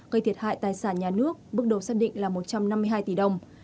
gây thiệt hại tài sản nhà nước bước đầu xác định là một trăm năm mươi hai tỷ đồng